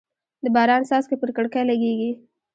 د باران څاڅکي پر کړکۍ لګېږي.